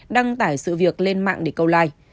đăng tải sự việc lên mạng để câu lại